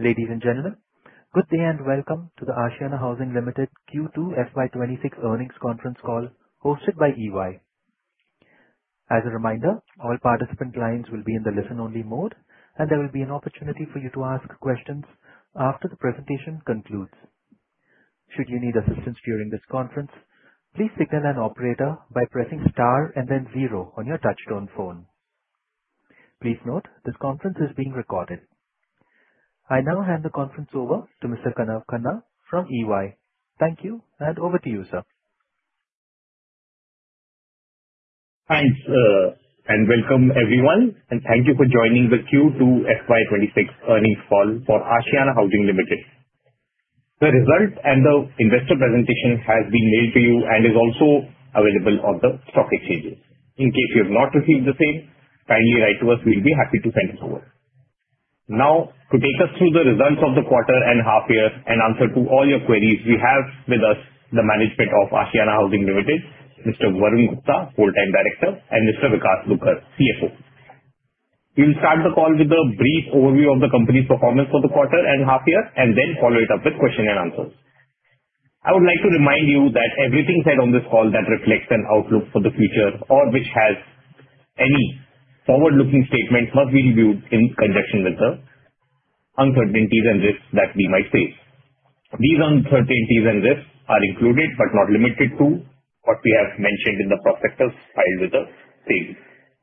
Ladies and gentlemen, good day and welcome to the Ashiana Housing Ltd Q2 FY26 earnings conference call hosted by EY. As a reminder, all participant lines will be in the listen-only mode, and there will be an opportunity for you to ask questions after the presentation concludes. Should you need assistance during this conference, please signal an operator by pressing star and then zero on your touch-tone phone. Please note, this conference is being recorded. I now hand the conference over to Mr. Kanav Khanna from EY. Thank you, and over to you, sir. Thanks, and welcome everyone, and thank you for joining the Q2 FY26 earnings call for Ashiana Housing Ltd. The result and the investor presentation has been mailed to you and is also available on the stock exchanges. In case you have not received the same, kindly write to us. We'll be happy to send it over. Now, to take us through the results of the quarter and half-year and answer to all your queries, we have with us the management of Ashiana Housing Ltd, Mr. Varun Gupta, whole-time director, and Mr. Vikash Dugar, CFO. We'll start the call with a brief overview of the company's performance for the quarter and half-year, and then follow it up with questions and answers. I would like to remind you that everything said on this call that reflects an outlook for the future, or which has any forward-looking statement, must be reviewed in conjunction with the uncertainties and risks that we might face. These uncertainties and risks are included, but not limited to, what we have mentioned in the prospectus filed with the state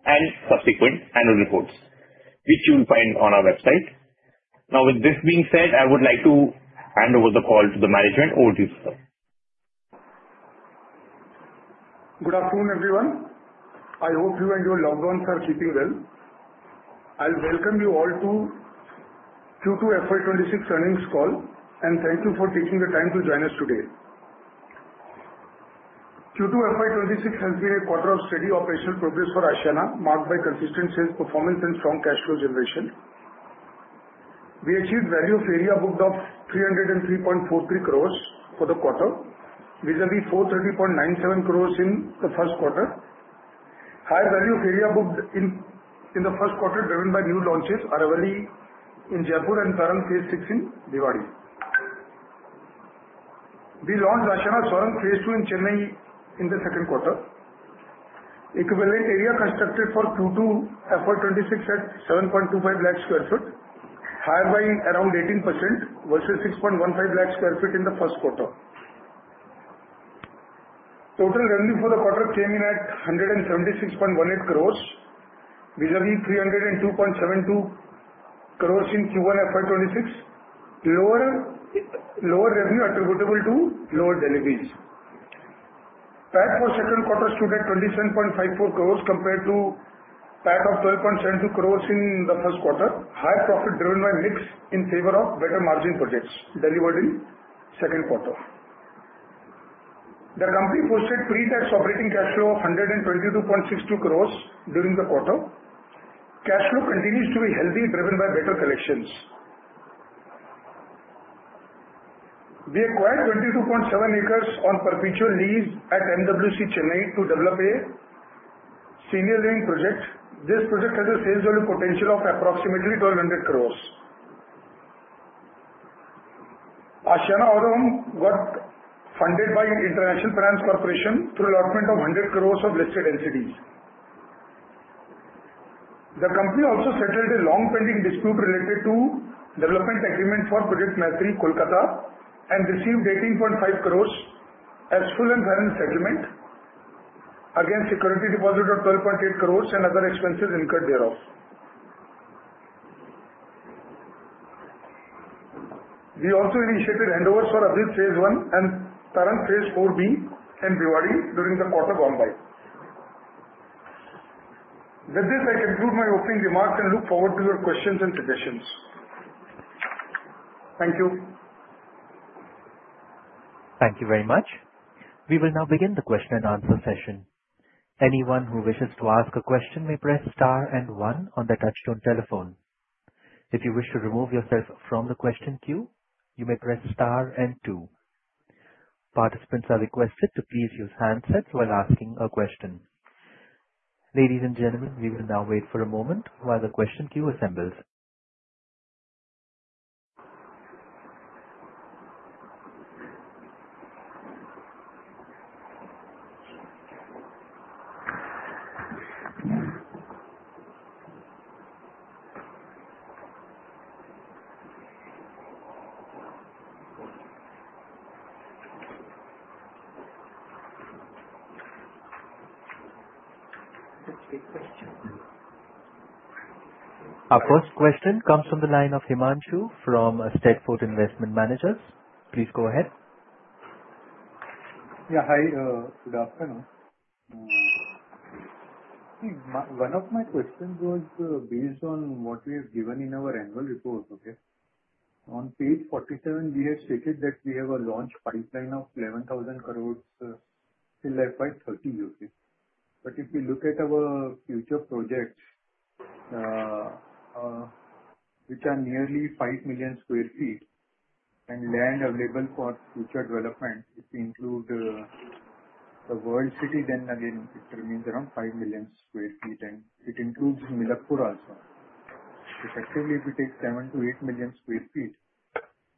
and subsequent annual reports, which you'll find on our website. Now, with this being said, I would like to hand over the call to the management. Over to you, sir. Good afternoon, everyone. I hope you and your loved ones are keeping well. I'll welcome you all to Q2 FY26 earnings call, and thank you for taking the time to join us today. Q2 FY26 has been a quarter of steady operational progress for Ashiana, marked by consistent sales performance and strong cash flow generation. We achieved value of area booked of 303.43 crores for the quarter, vis-à-vis 430.97 crores in the first quarter. High value of area booked in the first quarter, driven by new launches, are already in Jaipur and Phase 6 in Bhiwadi. We launched Ashiana Swarang Phase II in Chennai in the second quarter. Equivalent area constructed for Q2 FY26 at 7.25 lakh sq ft, higher by around 18% versus 6.15 lakh sq ft in the first quarter. Total revenue for the quarter came in at 176.18 crores, vis-à-vis 302.72 crores in Q1 FY26, lower revenue attributable to lower deliveries. PAT for second quarter stood at 27.54 crores compared to PAT of 12.72 crores in the first quarter, high profit driven by mix in favor of better margin projects delivered in second quarter. The company posted pre-tax operating cash flow of 122.62 crores during the quarter. Cash flow continues to be healthy, driven by better collections. We acquired 22.7 acres on perpetual lease at MWC Chennai to develop a senior living project. This project has a sales value potential of approximately 1,200 crores. Ashiana Anmol got funded by International Finance Corporation through allotment of 100 crores of listed NCDs. The company also settled a long-pending dispute related to development agreement for Ashiana Maitri Kolkata and received 18.5 crores as full and final settlement against security deposit of 12.8 crores and other expenses incurred thereof. We also initiated handovers for Ashiana Advik Phase 1 and Ashiana Tarang Phase 4B in Bhiwadi during the quarter gone by. With this, I conclude my opening remarks and look forward to your questions and suggestions. Thank you. Thank you very much. We will now begin the question and answer session. Anyone who wishes to ask a question may press star and one on the touch-tone telephone. If you wish to remove yourself from the question queue, you may press star and two. Participants are requested to please use handsets while asking a question. Ladies and gentlemen, we will now wait for a moment while the question queue assembles. Our first question comes from the line of Himanshu from Steadford Investment Managers. Please go ahead. Yeah, hi, good afternoon. One of my questions was based on what we have given in our annual report. On page 47, we have stated that we have a launch pipeline of 11,000 crores still left by 30 years. But if you look at our future projects, which are nearly 5 million sq ft and land available for future development, if you include the world city, then again, it remains around 5 million sq ft, and it includes Milakpur also. Effectively, if we take 7 to 8 million sq ft,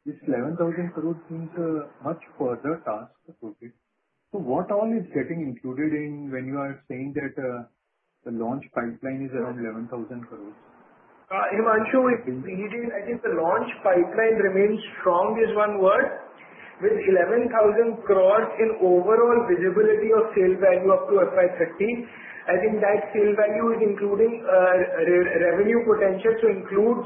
this 11,000 crores seems a much further task. So what all is getting included when you are saying that the launch pipeline is around 11,000 crores? Himanshu, I think the launch pipeline remains strong is one word. With 11,000 crores in overall visibility of sales value up to FY30, I think that sales value is including revenue potential to include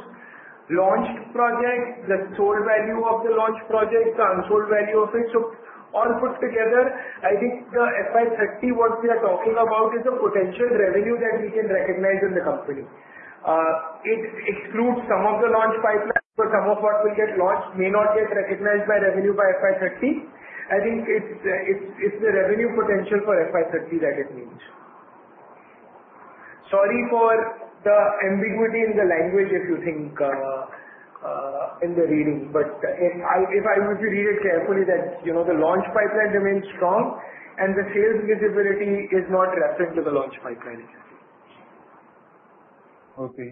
launched projects, the sold value of the launch projects, the unsold value of it. So all put together, I think the FY30, what we are talking about is a potential revenue that we can recognize in the company. It excludes some of the launch pipeline, but some of what will get launched may not get recognized by revenue by FY30. I think it's the revenue potential for FY30 that it means. Sorry for the ambiguity in the language if you think in the reading, but if you read it carefully, that the launch pipeline remains strong and the sales visibility is not referring to the launch pipeline. Okay, yes. Okay,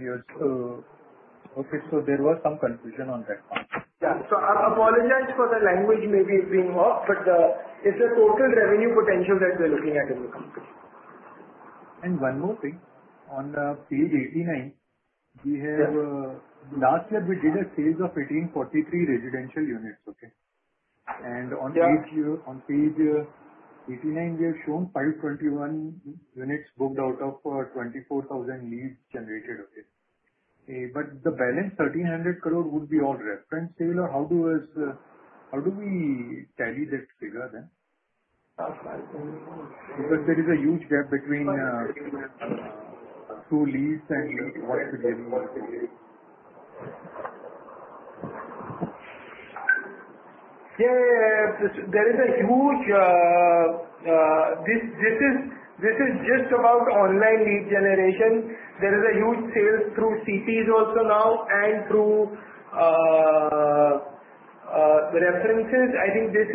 so there was some confusion on that one. Yeah, so I apologize for the language maybe being off, but it's the total revenue potential that we're looking at in the company. One more thing. On page 89, we have last year we did sales of 1,843 residential units, okay? On page 89, we have shown 521 units booked out of 24,000 leads generated, okay? The balance 1,300 crore would be all reference sale, or how do we tally that figure then? Because there is a huge gap between the leads and what's really in the figure. Yeah, there is a huge this is just about online lead generation. There is a huge sales through CPs also now and through references. I think this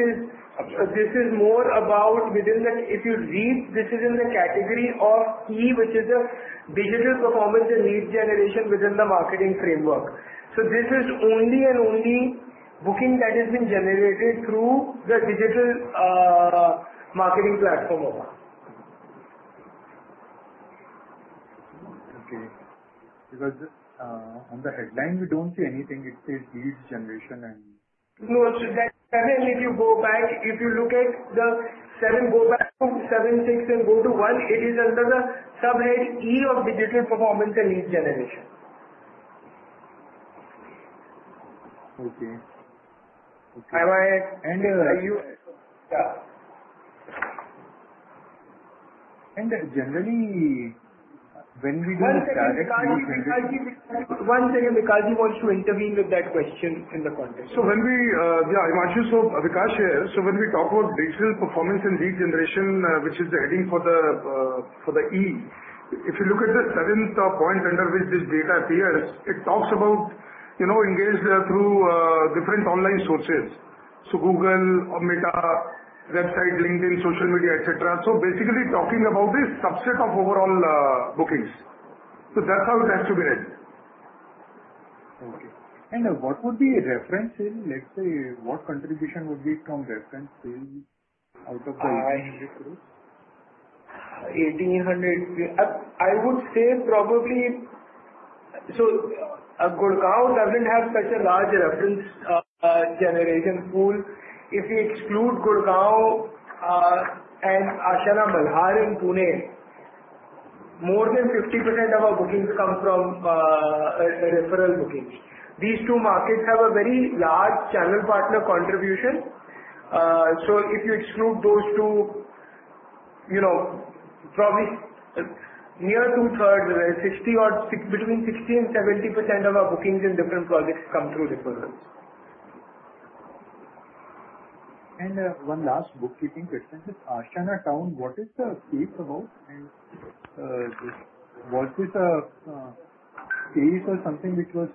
is more about within the if you read, this is in the category of E, which is the digital performance and lead generation within the marketing framework. So this is only and only booking that has been generated through the digital marketing platform. Okay. Because on the headline, we don't see anything. It says lead generation and. No, so that's seven. If you go back, if you look at the seven, go back to seven, six, and go to one, it is under the subhead E of digital performance and lead generation. Okay. And generally, when we do. One second, Vikash wants to intervene with that question in the context. Himanshu, Vikash here. When we talk about digital performance and lead generation, which is the heading for the E, if you look at the seventh point under which this data appears, it talks about engagement through different online sources. Google, Meta, website, LinkedIn, social media, etc. Basically talking about this subset of overall bookings. That's how it has to be read. Okay. And what would be a reference sale, let's say, what contribution would be from reference sales out of the 1,800 crores? 1,800 crores. I would say probably so Gurgaon doesn't have such a large referral generation pool. If you exclude Gurgaon and Ashiana Malhar in Pune, more than 50% of our bookings come from referral bookings. These two markets have a very large channel partner contribution. So if you exclude those two, probably near two-thirds, 60% or between 60% and 70% of our bookings in different projects come through referrals. And one last bookkeeping question. This Ashiana Town, what is the case about? Was this a case or something which was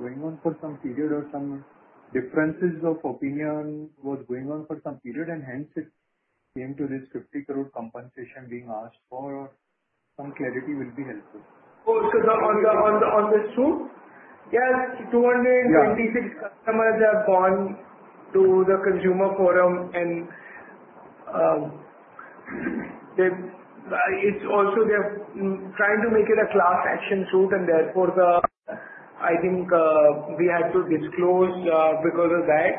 going on for some period or some differences of opinion was going on for some period, and hence it came to this 50 crore compensation being asked for? Some clarity will be helpful. Oh, so on this too? Yes, 226 customers have gone to the consumer forum, and it's also they're trying to make it a class action suit, and therefore I think we had to disclose because of that.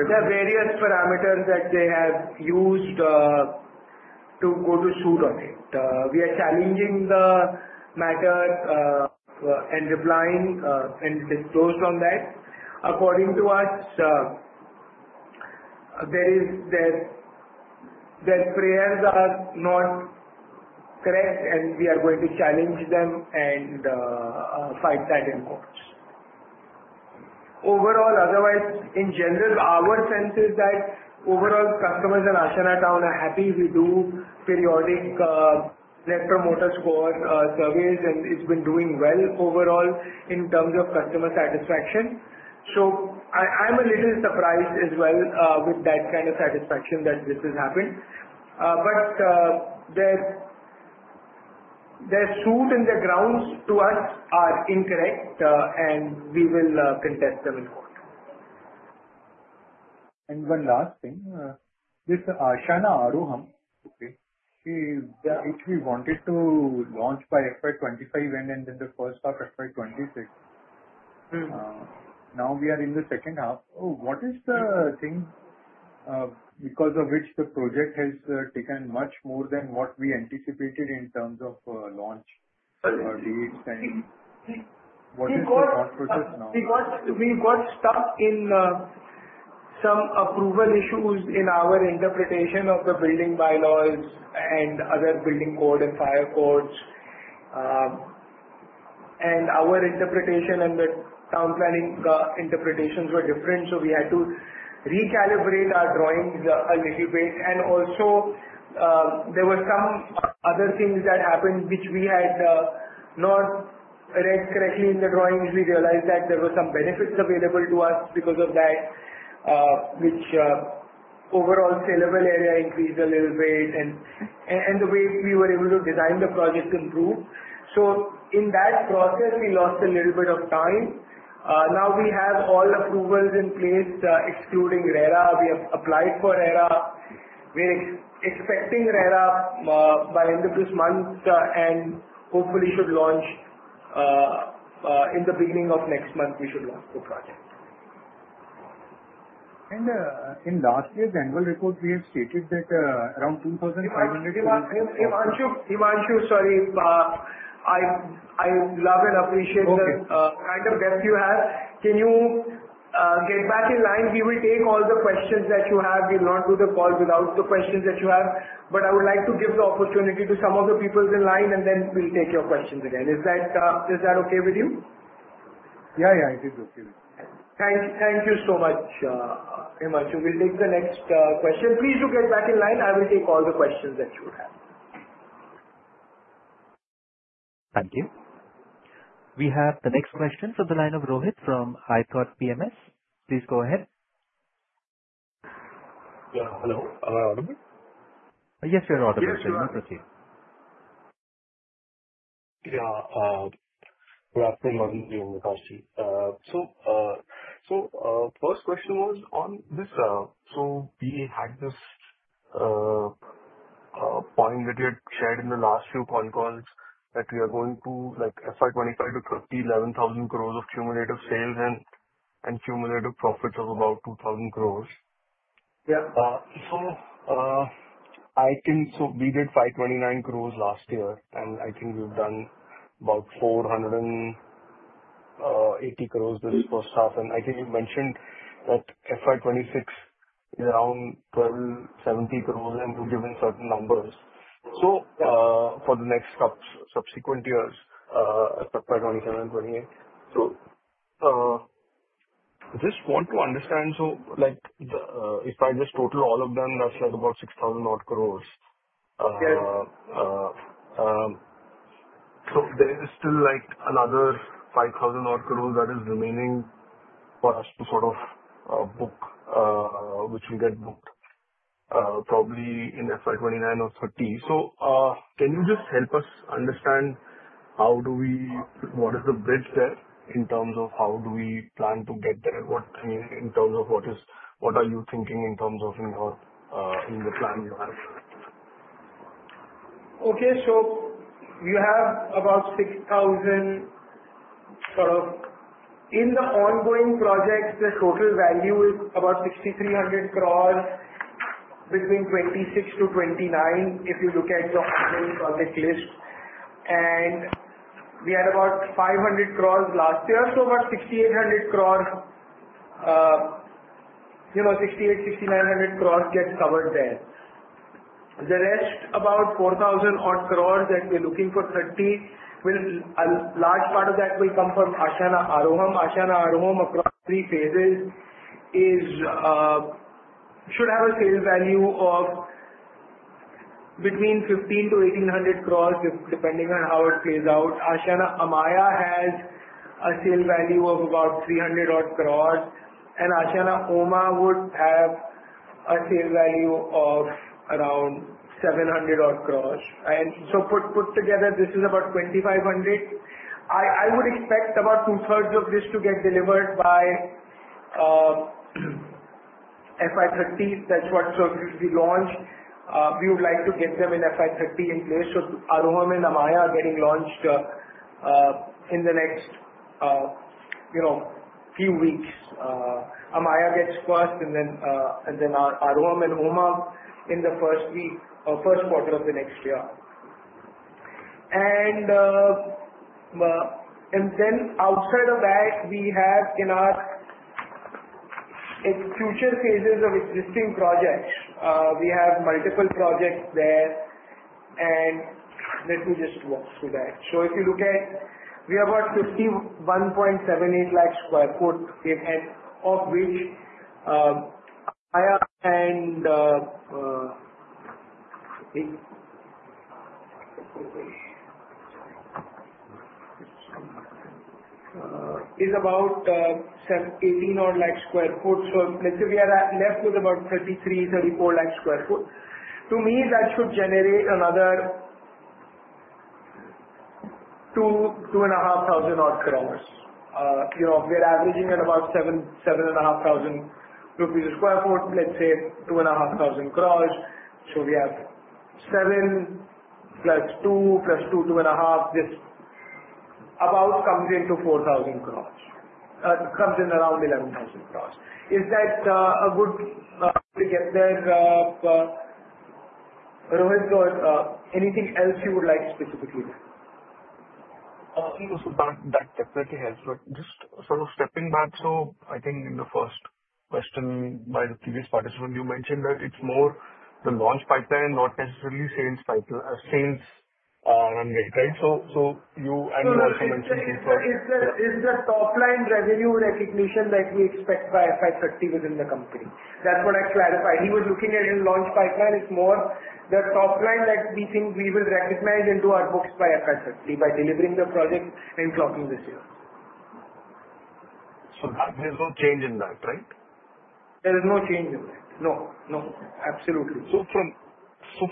There are various parameters that they have used to go to suit on it. We are challenging the matter and replying and disclosed on that. According to us, their prayers are not correct, and we are going to challenge them and fight that in courts. Overall, otherwise, in general, our sense is that overall customers in Ashiana Town are happy. We do periodic Net Promoter Score surveys, and it's been doing well overall in terms of customer satisfaction, so I'm a little surprised as well with that kind of satisfaction that this has happened, but their suit and their grounds to us are incorrect, and we will contest them in court. And one last thing. This Ashiana Aaroham, okay, which we wanted to launch by FY25 end and then the first half of FY26. Now we are in the second half. What is the thing because of which the project has taken much more than what we anticipated in terms of launch leads? And what is the launch process now? Because we got stuck in some approval issues in our interpretation of the building bylaws and other building code and fire codes. And our interpretation and the town planning interpretations were different, so we had to recalibrate our drawings a little bit. And also, there were some other things that happened which we had not read correctly in the drawings. We realized that there were some benefits available to us because of that, which overall saleable area increased a little bit, and the way we were able to design the project improved. So in that process, we lost a little bit of time. Now we have all approvals in place, excluding RERA. We have applied for RERA. We're expecting RERA by end of this month, and hopefully should launch in the beginning of next month, we should launch the project. In last year's annual report, we have stated that around 2,500 crores. Himanshu, sorry. I love and appreciate the kind of depth you have. Can you get back in line? We will take all the questions that you have. We will not do the call without the questions that you have. But I would like to give the opportunity to some of the people in line, and then we'll take your questions again. Is that okay with you? Yeah, yeah. It is okay with me. Thank you so much, Himanshu. We'll take the next question. Please do get back in line. I will take all the questions that you have. Thank you. We have the next question from the line of Rohit from ithoughtPMS. Please go ahead. Yeah, hello. Am I audible? Yes, you're audible. Thank you. Okay. Yeah, good afternoon. I'm Himanshu. So first question was on this. So we had this point that you had shared in the last few calls that we are going to FY 2025 to 2030, 11,000 crores of cumulative sales and cumulative profits of about 2,000 crores. So I think we did 529 crores last year, and I think we've done about 480 crores this first half. And I think you mentioned that FY 2026 is around 1,270 crores and we've given certain numbers. So for the next subsequent years, FY 2027, FY 2028. So just want to understand, so if I just total all of them, that's like about 6,000 odd crores. So there is still another 5,000 odd crores that is remaining for us to sort of book, which will get booked probably in FY 2029 or 2030. So, can you just help us understand how do we what is the bridge there in terms of how do we plan to get there? I mean, in terms of what are you thinking in terms of in the plan you have? Okay, so we have about 6,000 sort of in the ongoing projects, the total value is about 6,300 crores between 26-29 if you look at the ongoing project list. And we had about 500 crores last year, so about 6,800 crores, 68-69 hundred crores gets covered there. The rest, about 4,000 odd crores that we're looking for 30, a large part of that will come from Ashiana Aaroham. Ashiana Aaroham, across three phases, should have a sale value of between 1,500-1,800 crores depending on how it plays out. Ashiana Amarah has a sale value of about 300 odd crores, and Ashiana Oma would have a sale value of around 700 odd crores. And so put together, this is about 2,500. I would expect about two-thirds of this to get delivered by FY30. That's what we launched. We would like to get them in FY30 in place. So Aaroham and Amarah are getting launched in the next few weeks. Amarah gets first, and then Aaroham and Oma in the first week or first quarter of the next year. And then outside of that, we have in our future phases of existing projects, we have multiple projects there, and let me just walk through that. So if you look at we have about 51.78 lakh sq ft, of which Amarah is about 18 odd lakh sq ft. So let's say we are left with about 33, 34 lakh sq ft. To me, that should generate another 2,500 odd crores. We're averaging at about 7,500 a sq ft, let's say 2,500 crores. So we have 7 plus 2 plus 2, 2 and a half, this about comes into 4,000 crores. It comes in around 11,000 crores. Is that a good way to get there? Rohit, anything else you would like specifically there? So that definitely helps. But just sort of stepping back, so I think in the first question by the previous participant, you mentioned that it's more the launch pipeline, not necessarily sales run rate, right? So you also mentioned it was. Is the top-line revenue recognition that we expect by FY30 within the company? That's what I clarified. He was looking at his launch pipeline. It's more the top-line that we think we will recognize and do our books by FY30, by delivering the project and clocking this year. So there's no change in that, right? There is no change in that. No, no. Absolutely.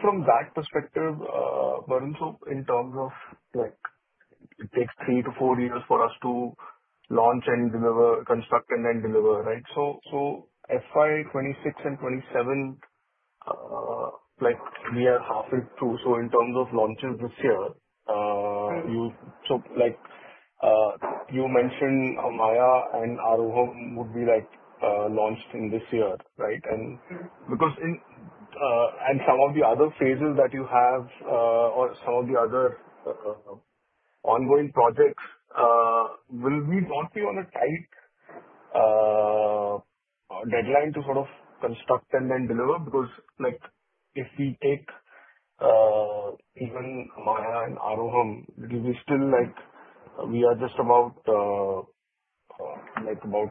From that perspective, Varun, in terms of it takes three to four years for us to launch and construct and then deliver, right? FY26 and 27, we are halfway through. In terms of launches this year, you mentioned Amarah and Aaroham would be launched in this year, right? And some of the other phases that you have or some of the other ongoing projects, will we not be on a tight deadline to sort of construct and then deliver? Because if we take even Amarah and Aaroham, we are just about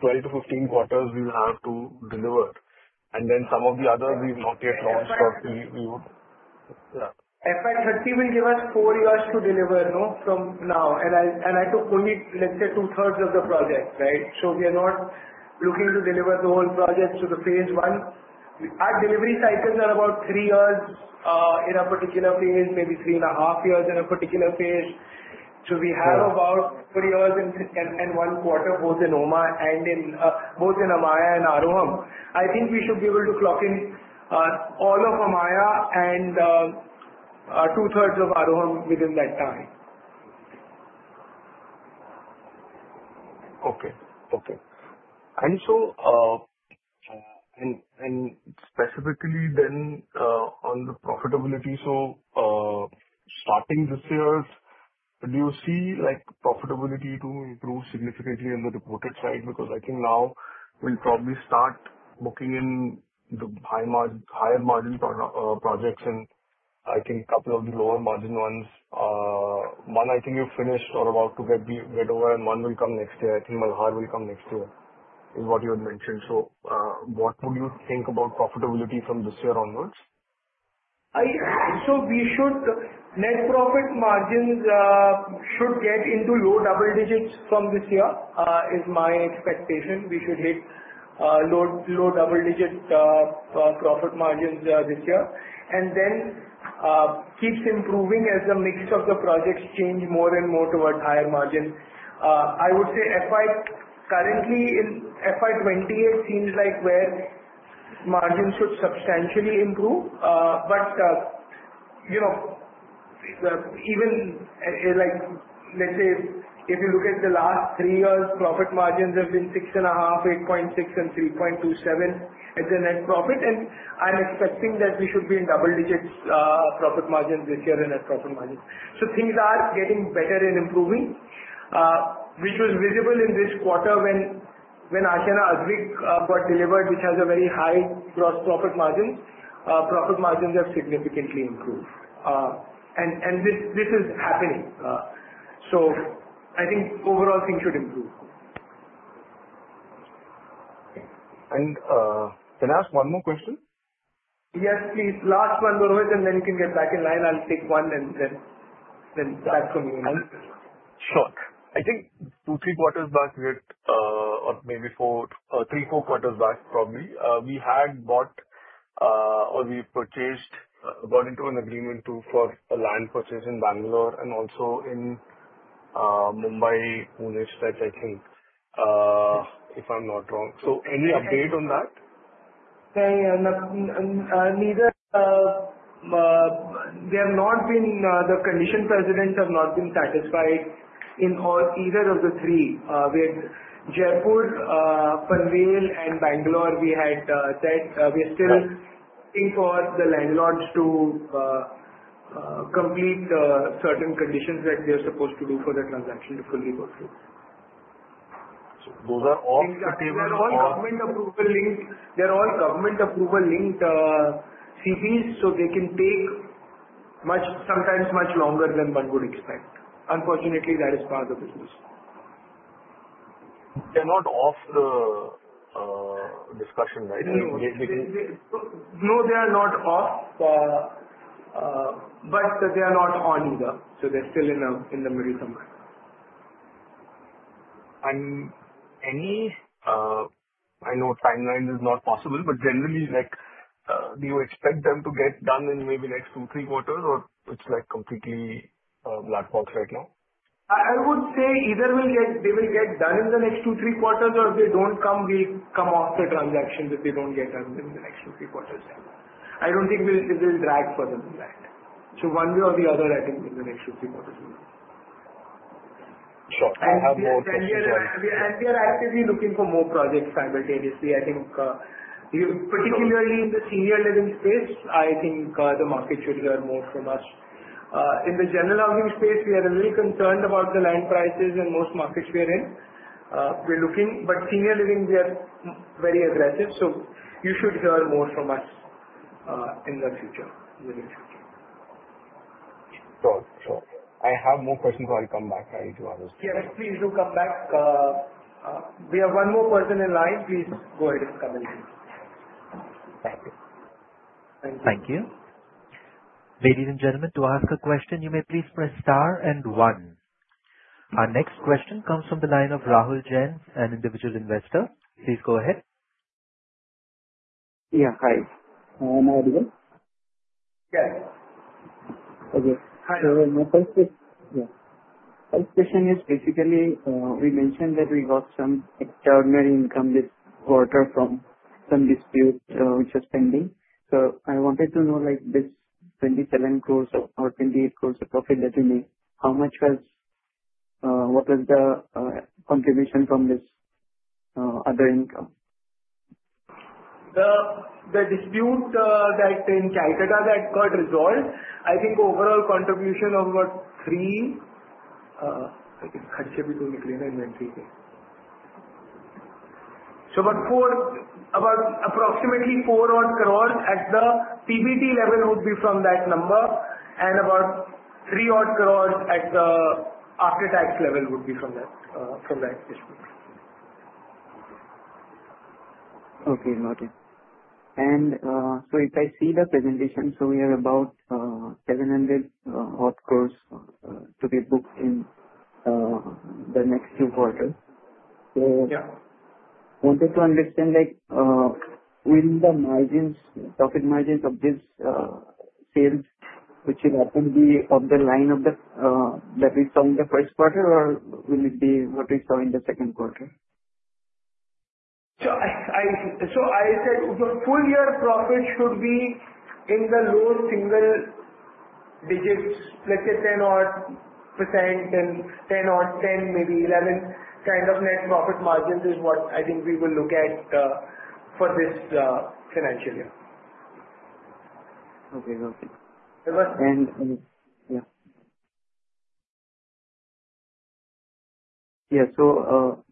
12-15 quarters we'll have to deliver. And then some of the others, we've not yet launched or we would. FY30 will give us four years to deliver, no? From now. And I took only, let's say, two-thirds of the project, right? So we are not looking to deliver the whole project to the phase one. Our delivery cycles are about three years in a particular phase, maybe three and a half years in a particular phase. So we have about three years and one quarter both in Oma and both in Amarah and Aaroham. I think we should be able to clock in all of Amarah and two-thirds of Aaroham within that time. Okay, okay. And so specifically then on the profitability, so starting this year, do you see profitability to improve significantly on the reported side? Because I think now we'll probably start booking in the higher margin projects and I think a couple of the lower margin ones. One, I think you finished or about to get over, and one will come next year. I think Malhar will come next year is what you had mentioned. So what would you think about profitability from this year onwards? So net profit margins should get into low double digits from this year is my expectation. We should hit low double digit profit margins this year. And then keeps improving as the mix of the projects change more and more toward higher margins. I would say FY currently in FY28 seems like where margins should substantially improve. But even let's say if you look at the last three years, profit margins have been 6.5%, 8.6%, and 3.27%. At the net profit. And I'm expecting that we should be in double digits profit margins this year and net profit margins. So things are getting better and improving, which was visible in this quarter when Ashiana Advik got delivered, which has a very high gross profit margins. Profit margins have significantly improved. And this is happening. So I think overall things should improve. Can I ask one more question? Yes, please. Last one, Rohit, and then you can get back in line. I'll take one and then that's from you. Sure. I think two or three quarters back or maybe three, four quarters back, probably, we had bought or we purchased, got into an agreement for a land purchase in Bangalore and also in Mumbai, Pune, stretch, I think, if I'm not wrong. So any update on that? Yeah, yeah. Neither. The conditions precedent have not been satisfied in either of the three. We had Jaipur, Punawale, and Bangalore. We had said we're still looking for the landlords to complete certain conditions that they're supposed to do for the transaction to fully go through. So those are all. They're all government-approval linked. They're all government-approval linked CPs, so they can take sometimes much longer than one would expect. Unfortunately, that is part of the business. They're not off the discussion, right? No, they are not off, but they are not on either, so they're still in the middle somewhere. I know timeline is not possible, but generally, do you expect them to get done in maybe next two, three quarters, or it's completely black box right now? I would say either they will get done in the next two, three quarters, or if they don't come, we come off the transaction that they don't get done within the next two, three quarters. I don't think we'll drag further than that. So one way or the other, I think in the next two, three quarters. Sure. I have more questions. And we are actively looking for more projects simultaneously, I think. Particularly in the senior living space, I think the market should hear more from us. In the general housing space, we are a little concerned about the land prices and most markets we are in. We're looking, but senior living, we are very aggressive. So you should hear more from us in the future, in the near future. Sure, sure. I have more questions, so I'll come back, right, to ask you. Yes, please do come back. We have one more person in line. Please go ahead and come in. Thank you. Thank you. Thank you. Ladies and gentlemen, to ask a question, you may please press star and one. Our next question comes from the line of Rahul Jain, an individual investor. Please go ahead. Yeah, hi. Am I audible? Yes. Okay. So my first question is basically, we mentioned that we got some extraordinary income this quarter from some dispute which was pending. So I wanted to know, this 27 crores or 28 crores of profit that we made, how much was the contribution from this other income? The dispute that in Kolkata that got resolved, I think overall contribution of about three. So about four. About approximately four odd crores at the PBT level would be from that number, and about three odd crores at the after-tax level would be from that dispute. Okay, got it. And so if I see the presentation, so we have about 700-odd crores to be booked in the next two quarters. So I wanted to understand, will the profit margins of this sale, which will happen, be of the line that we saw in the first quarter, or will it be what we saw in the second quarter? I said your full year profit should be in the low single digits, let's say 10-odd %, and 10-odd-10, maybe 11 kind of net profit margins is what I think we will look at for this financial year. Okay, got it. And yeah. Yeah, so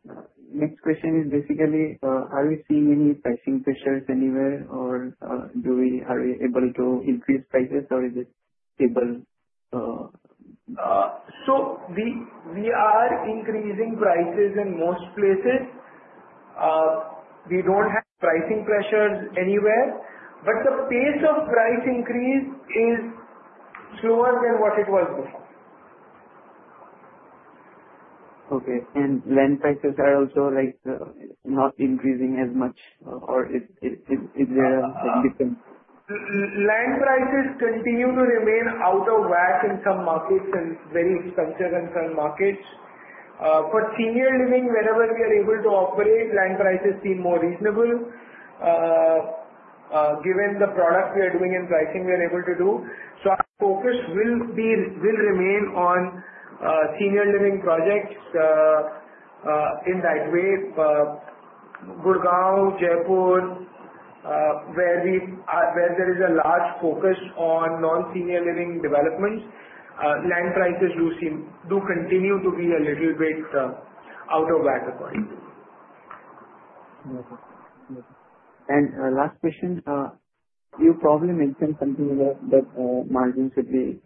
next question is basically, are we seeing any pricing pressures anywhere, or are we able to increase prices, or is it stable? So we are increasing prices in most places. We don't have pricing pressures anywhere, but the pace of price increase is slower than what it was before. Okay. And land prices are also not increasing as much, or is there a significant? Land prices continue to remain out of whack in some markets and very expensive in some markets. For senior living, wherever we are able to operate, land prices seem more reasonable given the product we are doing and pricing we are able to do. So our focus will remain on senior living projects in that way. Gurgaon, Jaipur, where there is a large focus on non-senior living developments, land prices do continue to be a little bit out of whack, according to me. Last question, you probably mentioned something that margins should be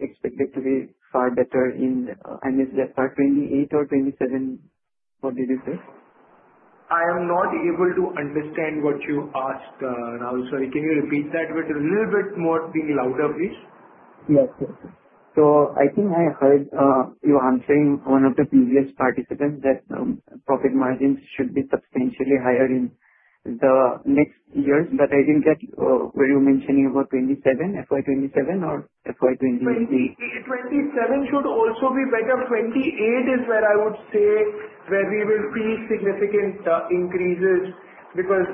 expected to be far better in, and is that 28 or 27? What did you say? I am not able to understand what you asked, Rahul. Sorry, can you repeat that a little bit louder, please? Yes, yes. So I think I heard you answering one of the previous participants that profit margins should be substantially higher in the next years, but I think that were you mentioning about 27, FY27 or FY28? 27 should also be better. 28 is where I would say where we will see significant increases because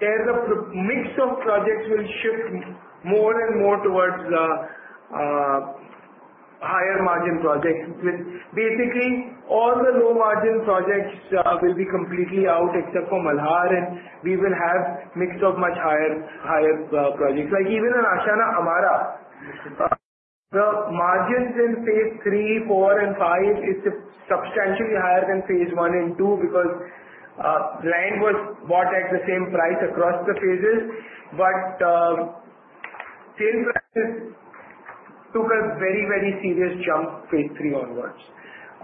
there's a mix of projects will shift more and more towards higher margin projects. Basically, all the low margin projects will be completely out except for Malhar, and we will have mix of much higher projects. Even in Ashiana Amarah, the margins in phase three, four, and five is substantially higher than phase one and two because land was bought at the same price across the phases. But sales prices took a very, very serious jump phase three onwards,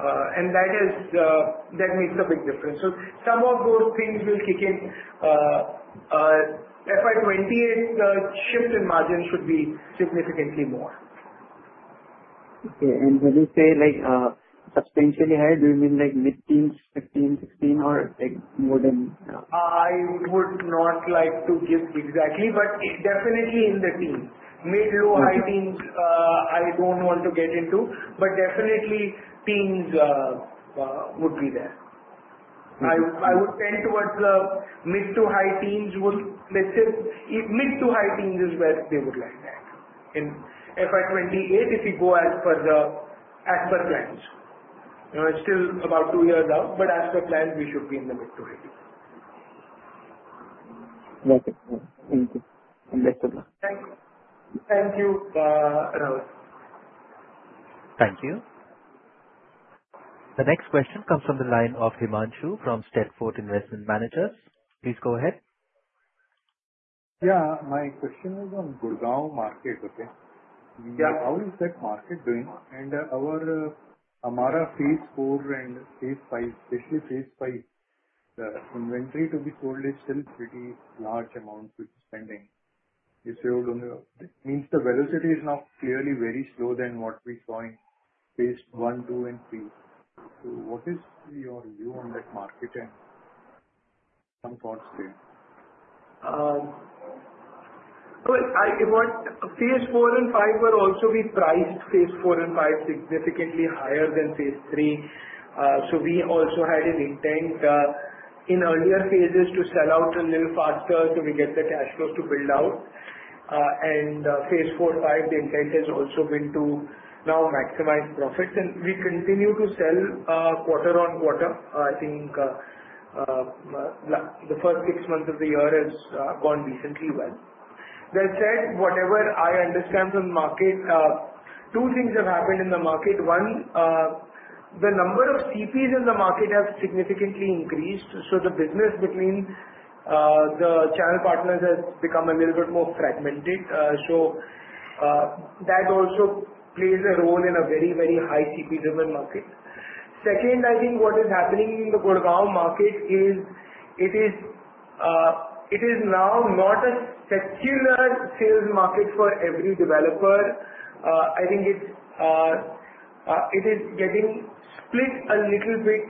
and that makes a big difference, so some of those things will kick in. FY28, the shift in margins should be significantly more. Okay. And when you say substantially higher, do you mean mid-teens, 15, 16, or more than? I would not like to give exactly, but definitely in the teens. Mid-low high teens, I don't want to get into. But definitely teens would be there. I would tend towards the mid-to-high teens. Let's say mid-to-high teens is where they would land at. In FY28, if you go as per plans, it's still about two years out, but as per plans, we should be in the mid-to-high teens. Got it. Thank you. Thank you, Rahul. Thank you. The next question comes from the line of Himanshu from Steadfort Investment Managers. Please go ahead. Yeah, my question is on Gurgaon market. How is that market doing? And our Amarah phase four and phase five, especially phase five, the inventory to be sold is still pretty large amount which is pending. It's sold only. It means the velocity is now clearly very slow than what we saw in phase one, two, and three. So what is your view on that market and some thoughts there? phase four and five were also. We priced phase four and five significantly higher than phase three. So we also had an intent in earlier phases to sell out a little faster so we get the cash flows to build out, and phase four, five, the intent has also been to now maximize profits. And we continue to sell quarter on quarter. I think the first six months of the year has gone decently well. That said, whatever I understand from the market, two things have happened in the market. One, the number of CPs in the market have significantly increased. So the business between the channel partners has become a little bit more fragmented. So that also plays a role in a very, very high CP-driven market. Second, I think what is happening in the Gurgaon market is it is now not a secular sales market for every developer. I think it is getting split a little bit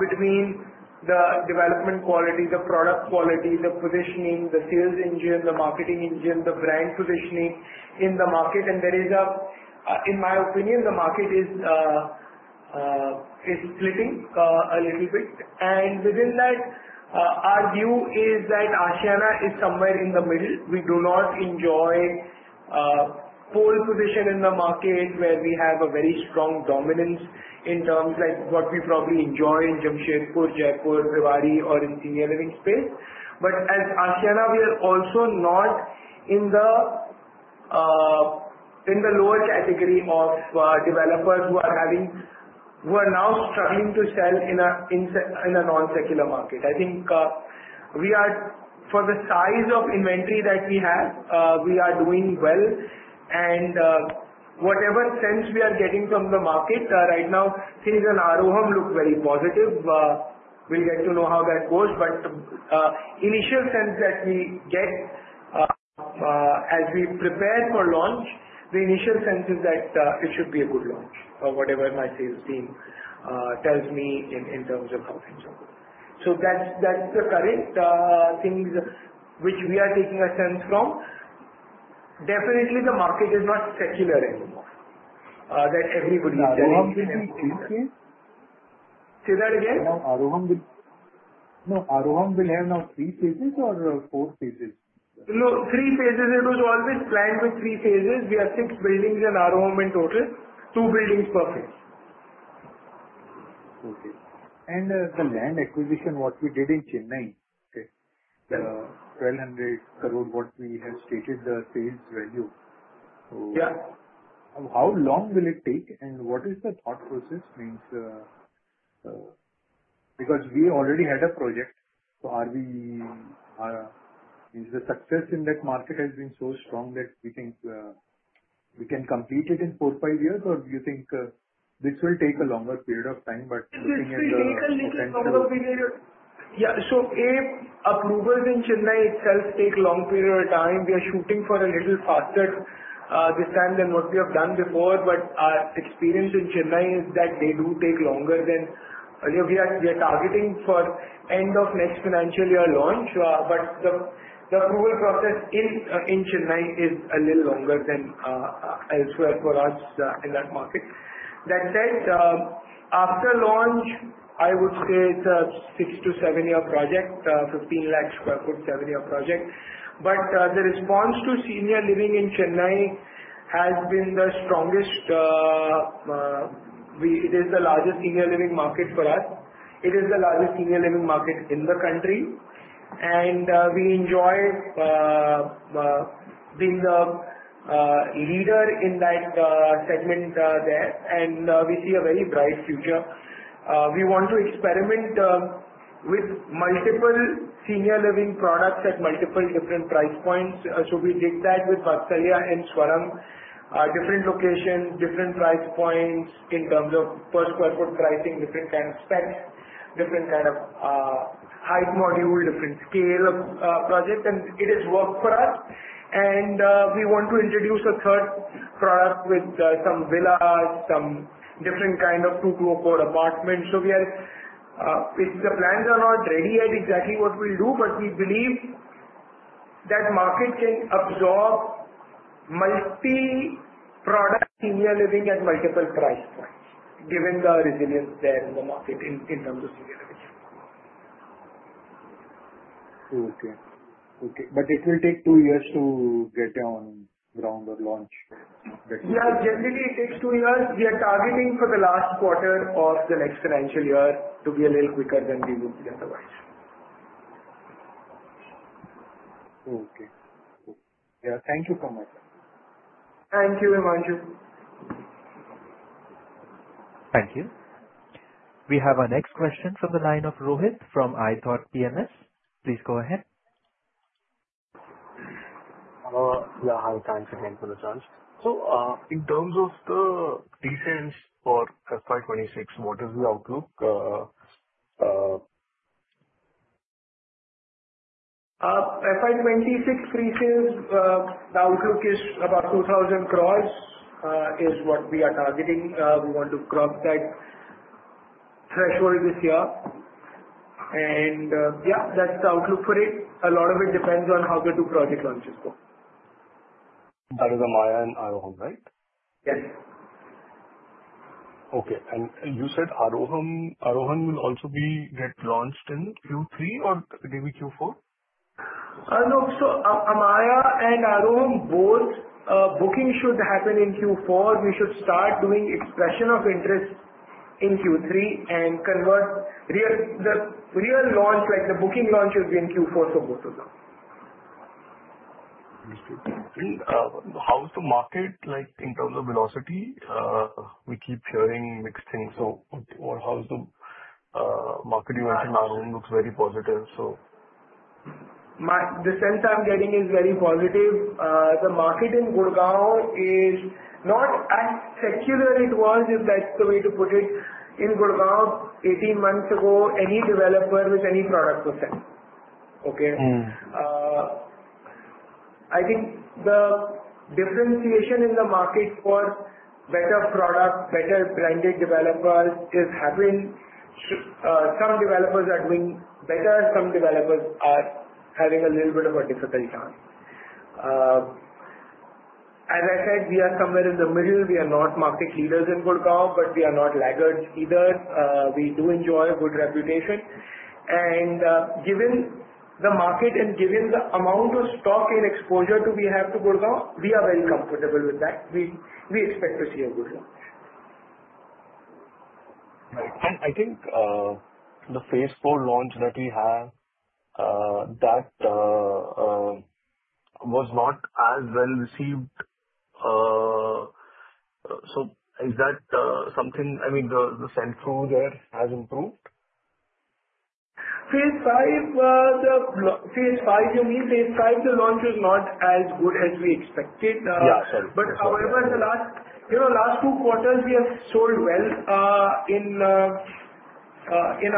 between the development quality, the product quality, the positioning, the sales engine, the marketing engine, the brand positioning in the market, and there is, in my opinion, the market is splitting a little bit. And within that, our view is that Ashiana is somewhere in the middle. We do not enjoy pole position in the market where we have a very strong dominance in terms like what we probably enjoy in Jamshedpur, Jaipur, Bhiwadi, or in senior living space, but as Ashiana, we are also not in the lower category of developers who are now struggling to sell in a non-secular market. I think for the size of inventory that we have, we are doing well, and whatever sense we are getting from the market right now, things in Aaroham look very positive. We'll get to know how that goes. But initial sense that we get as we prepare for launch, the initial sense is that it should be a good launch or whatever my sales team tells me in terms of how things are going. So that's the current things which we are taking a sense from. Definitely, the market is not secular anymore, that everybody is selling. [inaudible] Aaroham will have phases? Say that again. No, Aaroham will have now three phases or four phases? No, three phases. It was always planned with three phases. We have six buildings in Aaroham in total, two buildings per phase. Okay. And the land acquisition, what we did in Chennai, 1,200 crore, what we have stated the sales value. Yeah. How long will it take? And what is the thought process? Because we already had a project. So the success in that market has been so strong that we think we can complete it in four, five years, or do you think this will take a longer period of time? But looking at the. This will take a little longer period. Yeah. So approvals in Chennai itself take a long period of time. We are shooting for a little faster this time than what we have done before. But our experience in Chennai is that they do take longer than we are targeting for end of next financial year launch. But the approval process in Chennai is a little longer than elsewhere for us in that market. That said, after launch, I would say it's a six- to seven-year project, 15 lakh sq ft, seven-year project. But the response to senior living in Chennai has been the strongest. It is the largest senior living market for us. It is the largest senior living market in the country. And we enjoy being the leader in that segment there. And we see a very bright future. We want to experiment with multiple senior living products at multiple different price points. So we did that with Vatsalya and Swarang, different locations, different price points in terms of per square foot pricing, different kind of specs, different kind of height module, different scale of project. And it has worked for us. And we want to introduce a third product with some villas, some different kind of two to four apartments. So the plans are not ready yet exactly what we'll do, but we believe that market can absorb multi-product senior living at multiple price points, given the resilience there in the market in terms of senior living. Okay. Okay. But it will take two years to get on ground or launch. Yeah, generally, it takes two years. We are targeting for the last quarter of the next financial year to be a little quicker than we would be otherwise. Okay. Yeah. Thank you so much. Thank you, Himanshu. Thank you. We have our next question from the line of Rohit from ithoughtPMS. Please go ahead. Yeah, hi. Thanks again for the chance. So in terms of the pre-sales for FY26, what is the outlook? FY26 pre-sales, the outlook is about 2,000 crores is what we are targeting. We want to cross that threshold this year. And yeah, that's the outlook for it. A lot of it depends on how the two project launches go. That is Amarah and Aaroham, right? Yes. Okay. And you said Aaroham will also get launched in Q3 or maybe Q4? No. So Amara and Aaroham, both booking should happen in Q4. We should start doing expression of interest in Q3 and convert the real launch, like the booking launch will be in Q4 for both of them. Understood. How is the market in terms of velocity? We keep hearing mixed things, so how is the market? You mentioned Aaroham looks very positive, so. The sense I'm getting is very positive. The market in Gurgaon is not as secular as it was, if that's the way to put it. In Gurgaon, 18 months ago, any developer with any product was selling. Okay? I think the differentiation in the market for better product, better branded developers is happening. Some developers are doing better. Some developers are having a little bit of a difficult time. As I said, we are somewhere in the middle. We are not market leaders in Gurgaon, but we are not laggards either. We do enjoy a good reputation. And given the market and given the amount of stock and exposure we have to Gurgaon, we are very comfortable with that. We expect to see a good launch. I think the phase four launch that we have was not as well received. Is that something? I mean, the sentiment through the year has improved? Phase five, the phase five, you mean phase five, the launch is not as good as we expected. Yeah, sorry. But however, the last two quarters, we have sold well in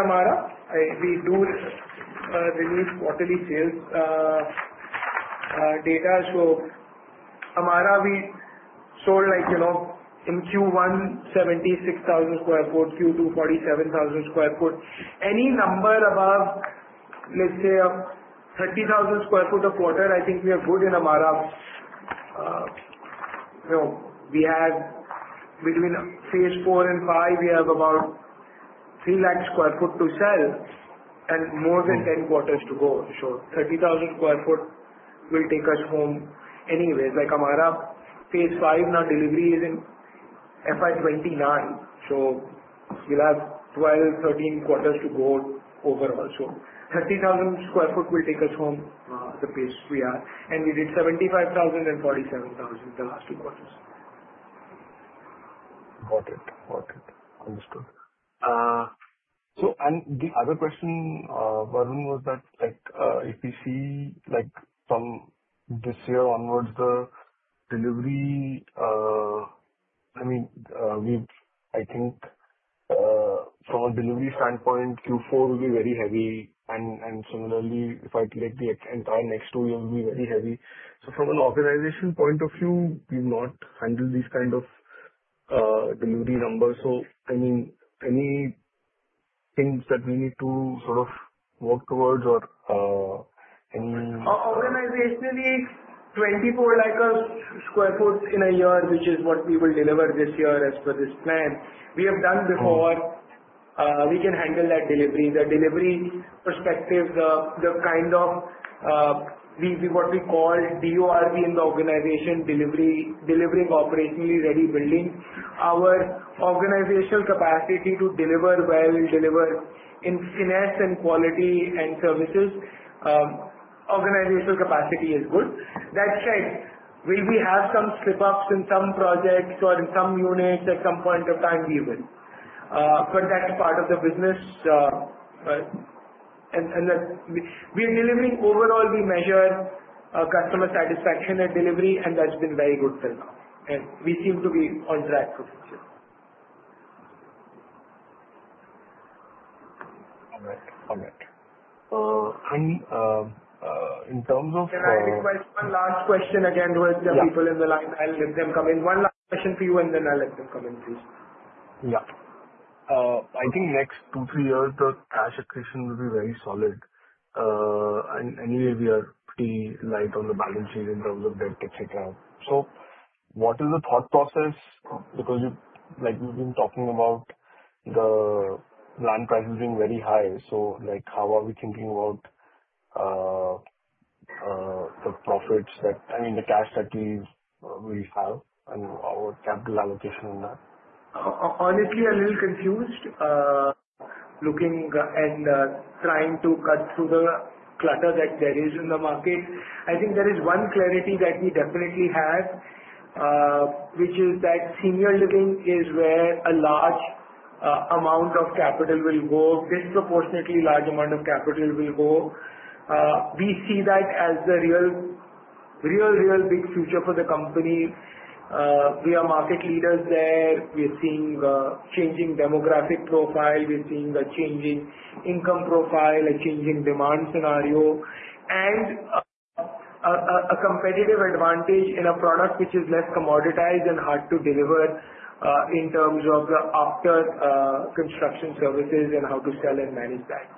Amarah. We do release quarterly sales data. So Amarah, we sold in Q1, 76,000 sq ft. Q2, 47,000 sq ft. Any number above, let's say 30,000 sq ft of quarter, I think we are good in Amarah. We have between phase four and five, we have about 3 lakh sq ft to sell and more than 10 quarters to go. So 30,000 sq ft will take us home anyways. Like Amarah, phase five, now delivery is in FY 2029. So we'll have 12, 13 quarters to go overall. So 30,000 sq ft will take us home the pace we are. And we did 75,000 and 47,000 the last two quarters. Got it. Got it. Understood. So and the other question, Varun, was that if we see from this year onwards, the delivery, I mean, I think from a delivery standpoint, Q4 will be very heavy. And similarly, if I take the entire next two years, it will be very heavy. So from an organization point of view, we've not handled these kind of delivery numbers. So I mean, any things that we need to sort of work towards or any? Organizationally, 24 sq ft in a year, which is what we will deliver this year as per this plan. We have done before. We can handle that delivery. The delivery perspective, the kind of what we call DORP in the organization, delivering operationally ready buildings. Our organizational capacity to deliver well, deliver in finesse and quality and services, organizational capacity is good. That said, will we have some slip-ups in some projects or in some units at some point of time? We will, but that's part of the business, and we are delivering overall. We measure customer satisfaction at delivery, and that's been very good till now, and we seem to be on track for future. All right. And in terms of. If I request one last question again, Rohit, the people in the line, I'll let them come in. One last question for you, and then I'll let them come in, please. Yeah. I think next two, three years, the cash accretion will be very solid. And anyway, we are pretty light on the balance sheet in terms of debt, etc. So what is the thought process? Because we've been talking about the land prices being very high. So how are we thinking about the profits that, I mean, the cash that we have and our capital allocation on that? Honestly, a little confused looking and trying to cut through the clutter that there is in the market. I think there is one clarity that we definitely have, which is that senior living is where a large amount of capital will go, disproportionately large amount of capital will go. We see that as the real, real, real big future for the company. We are market leaders there. We are seeing a changing demographic profile. We are seeing a changing income profile, a changing demand scenario, and a competitive advantage in a product which is less commoditized and hard to deliver in terms of the after-construction services and how to sell and manage that.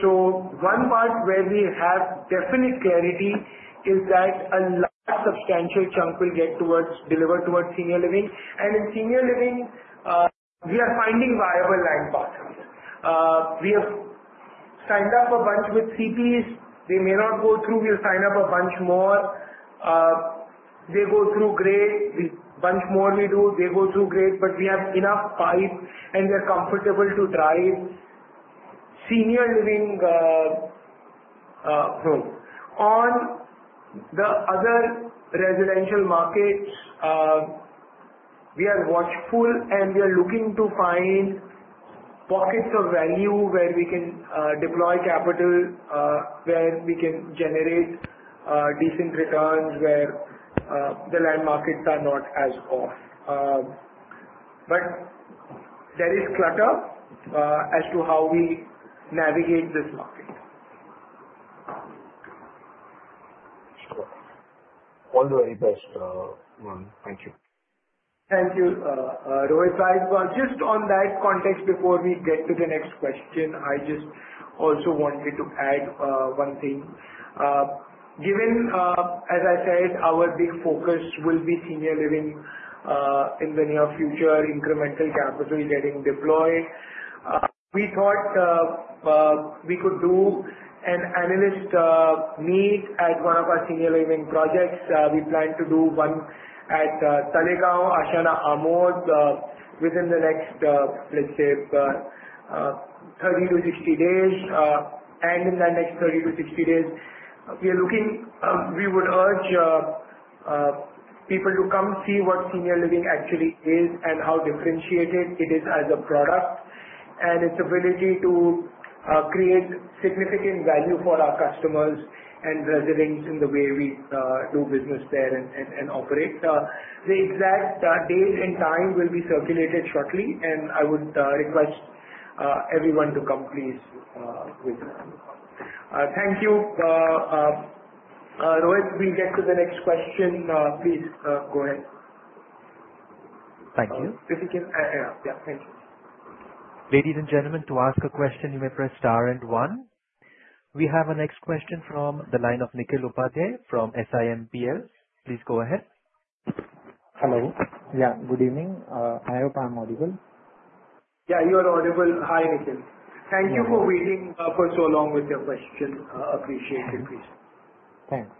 So one part where we have definite clarity is that a large substantial chunk will get delivered towards senior living, and in senior living, we are finding viable land patterns. We have signed up a bunch with CPs. They may not go through. We'll sign up a bunch more. They go through great. The bunch more we do, they go through great. But we have enough pipe, and they're comfortable to drive senior living homes. On the other residential markets, we are watchful, and we are looking to find pockets of value where we can deploy capital, where we can generate decent returns, where the land markets are not as off. But there is clarity as to how we navigate this market. Sure. All the very best, Varun. Thank you. Thank you, Rohit. Just on that context, before we get to the next question, I just also wanted to add one thing. Given, as I said, our big focus will be senior living in the near future, incremental capital getting deployed. We thought we could do an analyst meet at one of our senior living projects. We plan to do one at Talegaon, Ashiana Amod within the next, let's say, 30-60 days, and in that next 30-60 days, we are looking, we would urge people to come see what senior living actually is and how differentiated it is as a product and its ability to create significant value for our customers and residents in the way we do business there and operate. The exact date and time will be circulated shortly, and I would request everyone to come, please. Thank you. Rohit, we'll get to the next question. Please go ahead. Thank you. If you can. Yeah. Yeah. Thank you. Ladies and gentlemen, to ask a question, you may press star and one. We have a next question from the line of Nikhil Upadhyay from SIMPL. Please go ahead. Hello. Yeah, good evening. I hope I'm audible. Yeah, you are audible. Hi, Nikhil. Thank you for waiting for so long with your question. Appreciate it, please. Thanks.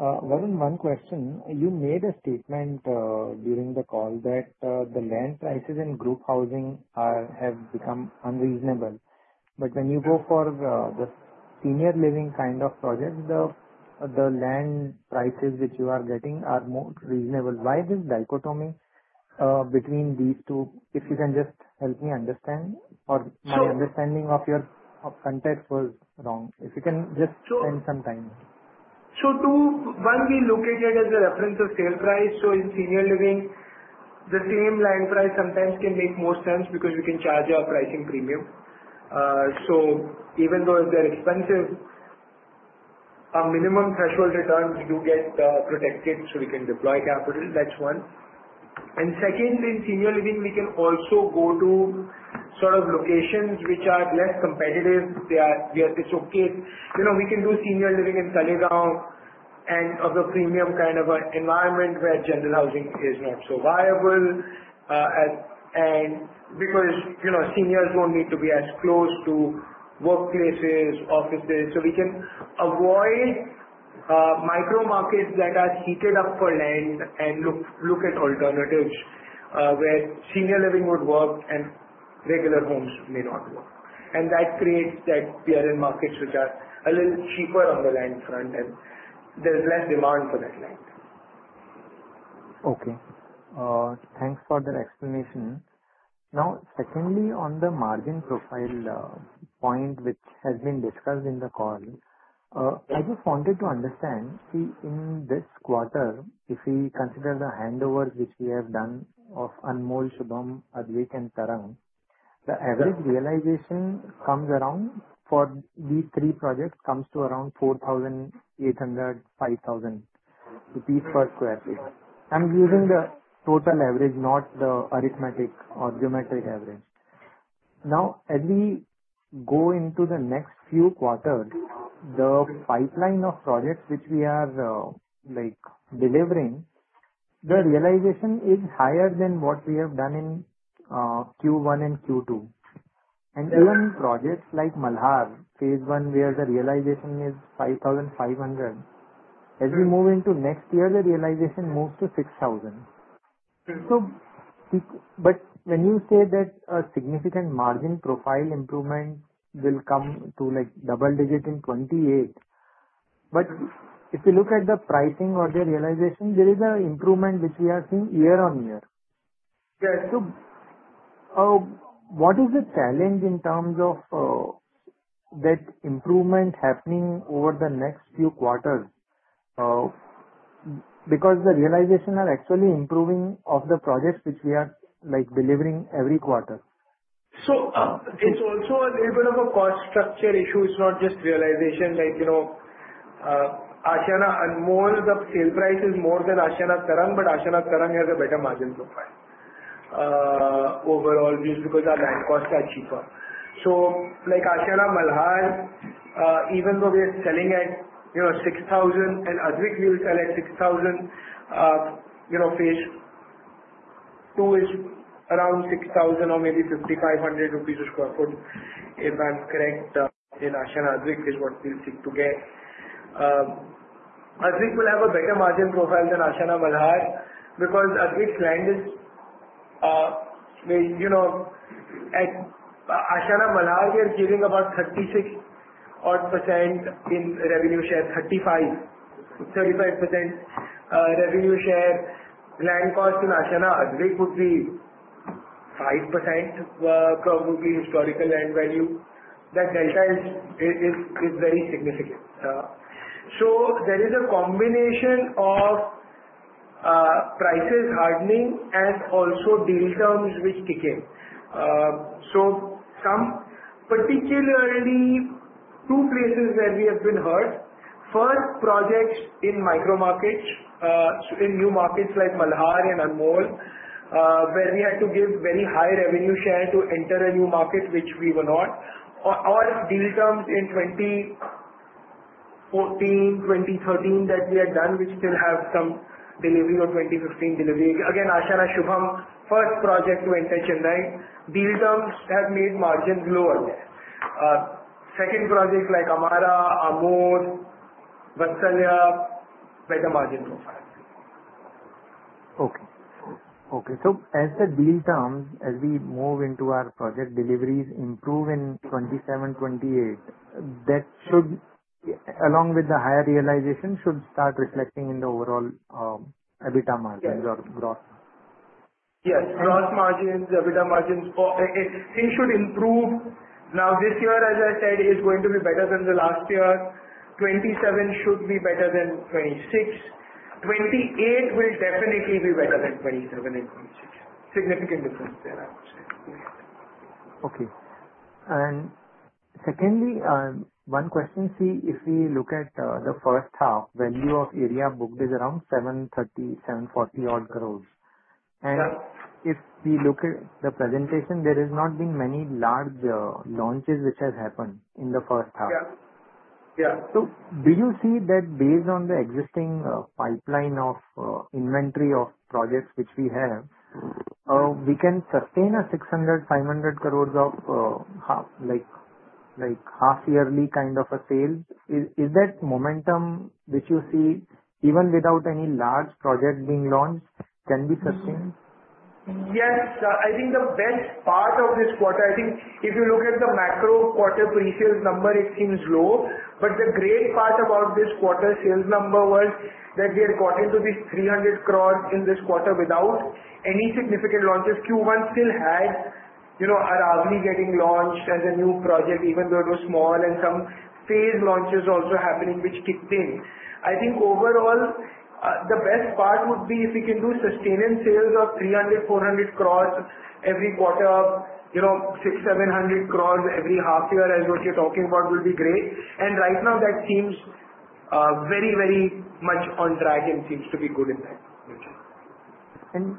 Varun, one question. You made a statement during the call that the land prices in group housing have become unreasonable. But when you go for the senior living kind of projects, the land prices which you are getting are more reasonable. Why this dichotomy between these two? If you can just help me understand, or my understanding of your context was wrong. If you can just spend some time. So one, we look at it as a reference of sale price. So in senior living, the same land price sometimes can make more sense because we can charge our pricing premium. So even though if they're expensive, a minimum threshold return we do get protected so we can deploy capital. That's one. And second, in senior living, we can also go to sort of locations which are less competitive. It's okay. We can do senior living in Talegaon and of a premium kind of an environment where general housing is not so viable because seniors won't need to be as close to workplaces, offices. So we can avoid micro markets that are heated up for land and look at alternatives where senior living would work and regular homes may not work. And that creates that appeal in markets which are a little cheaper on the land front, and there's less demand for that land. Okay. Thanks for the explanation. Now, secondly, on the margin profile point, which has been discussed in the call, I just wanted to understand. See, in this quarter, if we consider the handovers which we have done of Anmol, Shubham, Advik, and Tarang, the average realization comes around for these three projects comes to around 4,800-5,000 rupees per sq ft. I'm using the total average, not the arithmetic or geometric average. Now, as we go into the next few quarters, the pipeline of projects which we are delivering, the realization is higher than what we have done in Q1 and Q2. And even projects like Malhar, phase one, where the realization is 5,500, as we move into next year, the realization moves to 6,000. But when you say that a significant margin profile improvement will come to double digit in 2028, but if you look at the pricing or the realization, there is an improvement which we are seeing year on year. So what is the challenge in terms of that improvement happening over the next few quarters? Because the realization are actually improving of the projects which we are delivering every quarter. So it's also a little bit of a cost structure issue. It's not just realization. Like Ashiana Anmol, the sale price is more than Ashiana Tarang, but Ashiana Tarang has a better margin profile overall just because our land costs are cheaper. So Ashiana Malhar, even though we are selling at 6,000 and Ashiana Advik, we will sell at 6,000. Phase two is around 6,000 or maybe 5,500 rupees a sq ft, if I'm correct. In Ashiana Advik is what we'll seek to get. Ashiana Advik will have a better margin profile than Ashiana Malhar because Ashiana Advik's land is Ashiana Malhar, we are giving about 36% in revenue share, 35% revenue share. Land cost in Ashiana Advik would be 5% probably historical land value. That delta is very significant. So there is a combination of prices hardening and also deal terms which kick in. So particularly two places where we have been hurt. First, projects in micro markets, in new markets like Malhar and Anmol, where we had to give very high revenue share to enter a new market, which we were not, or deal terms in 2014, 2013 that we had done, which still have some delivery or 2015 delivery. Again, Ashiana Shubham, first project to enter Chennai. Deal terms have made margins lower. Second projects like Amarah, Amod, Vatsalya, better margin profile. So as the deal terms, as we move into our project deliveries improve in 2027, 2028, that should, along with the higher realization, should start reflecting in the overall EBITDA margins or gross margins. Yes. Gross margins, EBITDA margins, things should improve. Now, this year, as I said, is going to be better than the last year. 2027 should be better than 2026. 2028 will definitely be better than 2027 and 2026. Significant difference there, I would say. Okay. And secondly, one question. See, if we look at the first half, value of area booked is around 730-740 odd crores. And if we look at the presentation, there has not been many large launches which have happened in the first half. Yeah. Yeah. So do you see that based on the existing pipeline of inventory of projects which we have, we can sustain a 500-600 crores of half-yearly kind of a sale? Is that momentum which you see, even without any large project being launched, can be sustained? Yes. I think the best part of this quarter, I think if you look at the macro quarter pre-sales number, it seems low. But the great part about this quarter sales number was that we had gotten to this 300 crores in this quarter without any significant launches. Q1 still had Aravalli getting launched as a new project, even though it was small, and some phase launches also happening which kicked in. I think overall, the best part would be if we can do sustained sales of 300-400 crores every quarter, 600-700 crores every half year as what you're talking about would be great. And right now, that seems very, very much on track and seems to be good in that. And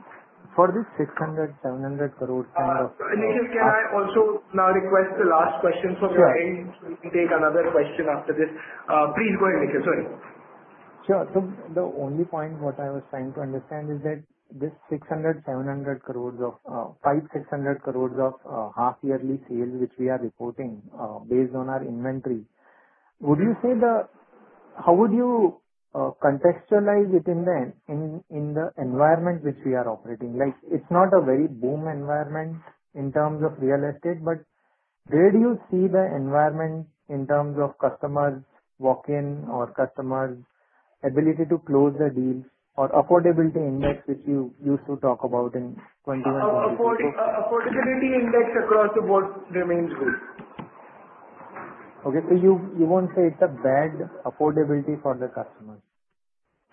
for this 600-700 crores kind of. Nikhil, can I also now request the last question from your end? We can take another question after this. Please go ahead, Nikhil. Sorry. Sure. So the only point what I was trying to understand is that this 600-700 crores of 5,600 crores of half-yearly sales which we are reporting based on our inventory, would you say the how would you contextualize it in the environment which we are operating? It's not a very boom environment in terms of real estate, but where do you see the environment in terms of customers walk-in or customers' ability to close the deals or affordability index which you used to talk about in 2020? Affordability index across the board remains good. Okay. So you won't say it's a bad affordability for the customers?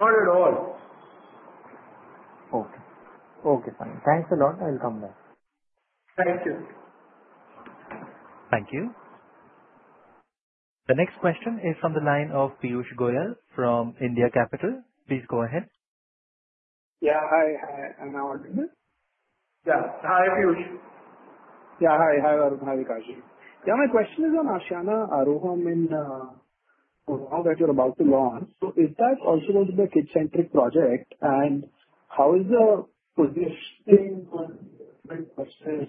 Not at all. Okay. Okay. Fine. Thanks a lot. I'll come back. Thank you. Thank you. The next question is from the line of Piyush Goyal from India Capital. Please go ahead. Yeah. Hi. I'm now audible. Yeah. Hi, Piyush. Yeah. Hi. Hi, Varun. Hi, Vikash. Yeah. My question is on Ashiana Aaroham and that you're about to launch. So is that also going to be a kids-centric project? And how is the positioning versus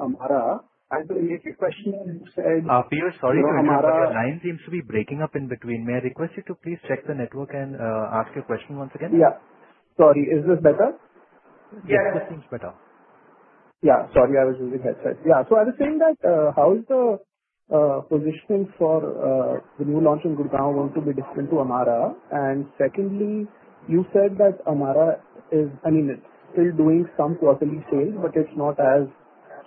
Amarah? I have a question to say. Piyush, sorry to interrupt. The line seems to be breaking up in between. May I request you to please check the network and ask your question once again? Yeah. Sorry. Is this better? Yes. This seems better. Yeah. Sorry. I was using headset. Yeah. So I was saying that how is the positioning for the new launch in Gurgaon going to be different to Amarah? And secondly, you said that Amarah is, I mean, still doing some quarterly sales, but it's not as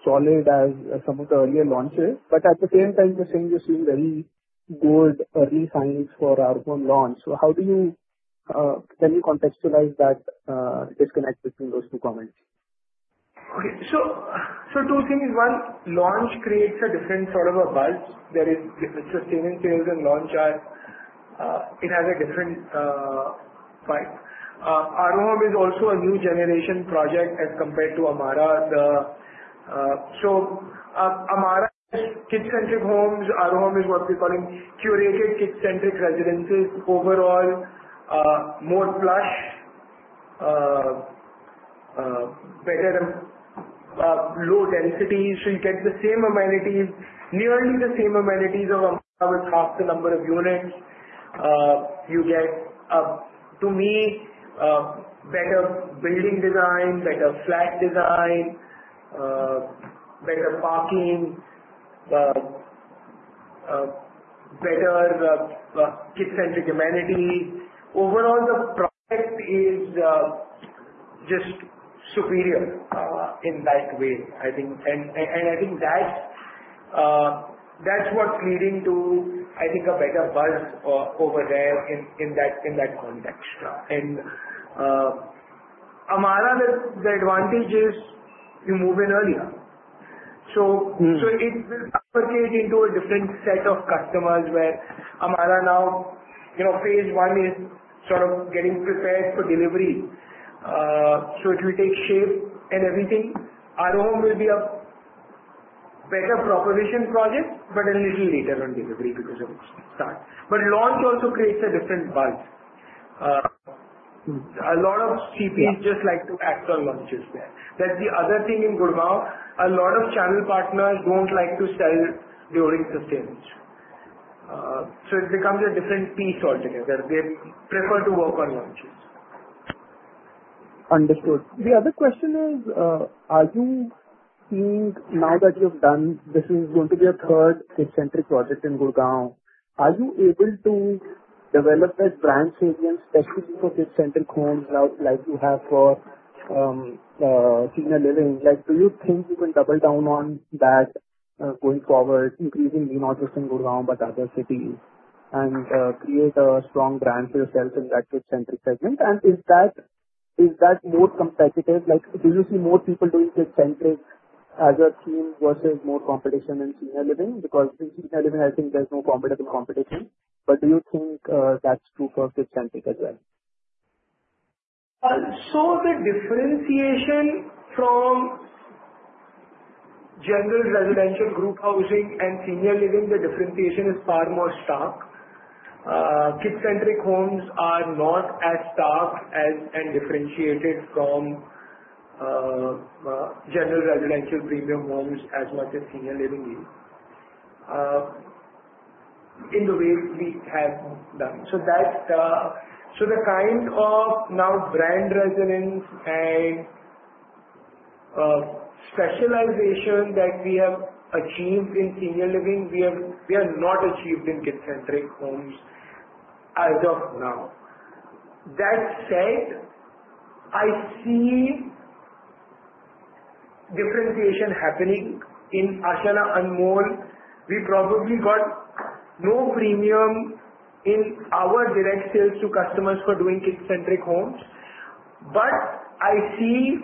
solid as some of the earlier launches. But at the same time, you're saying you're seeing very good early signs for Aaroham launch. So how can you contextualize that disconnect between those two comments? Okay, so two things. One launch creates a different sort of a buzz. There is sustained sales and launches. It has a different vibe. Aaroham is also a new generation project as compared to Amarah, so Amarah is kids-centric homes. Aaroham is what we're calling curated kids-centric residences. Overall, more plush, better low density, so you get the same amenities, nearly the same amenities of Amarah with half the number of units. You get, to me, better building design, better flat design, better parking, better kids-centric amenities. Overall, the project is just superior in that way, I think, and I think that's what's leading to, I think, a better buzz over there in that context, and Amarah, the advantage is you move in earlier, so it will attract a different set of customers where Amarah now, phase one, is sort of getting prepared for delivery. So it will take shape and everything. Aaroham will be a better proposition project, but a little later on delivery because of its start. But launch also creates a different buzz. A lot of CPs just like to act on launches there. That's the other thing in Gurgaon. A lot of channel partners don't like to sell during sustained. So it becomes a different piece altogether. They prefer to work on launches. Understood. The other question is, are you seeing now that you've done this is going to be a third kid-centric project in Gurgaon, are you able to develop that brand again, especially for kid-centric homes like you have for senior living? Do you think you can double down on that going forward, increasingly not just in Gurgaon, but other cities, and create a strong brand for yourself in that kid-centric segment? And is that more competitive? Do you see more people doing kid-centric as a theme versus more competition in senior living? Because in senior living, I think there's no comparable competition. But do you think that's true for kid-centric as well? The differentiation from general residential group housing and senior living is far more stark. Kid-centric homes are not as stark and differentiated from general residential premium homes as much as senior living is in the way we have done. The kind of brand resonance and specialization that we have achieved in senior living, we have not achieved in kid-centric homes as of now. That said, I see differentiation happening in Ashiana Anmol. We probably got no premium in our direct sales to customers for doing kid-centric homes. But I see